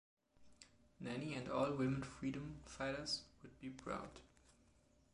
Nanny and all women freedom fighters would be proud.